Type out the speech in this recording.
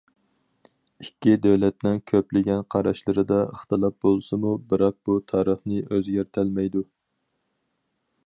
ئىككى دۆلەتنىڭ كۆپلىگەن قاراشلىرىدا ئىختىلاپ بولسىمۇ، بىراق بۇ تارىخنى ئۆزگەرتەلمەيدۇ.